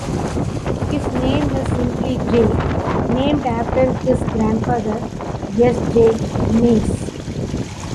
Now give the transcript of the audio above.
His name is simply "J", named after his grandfather, S J Mays.